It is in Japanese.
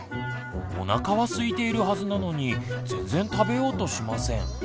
おなかはすいているはずなのに全然食べようとしません。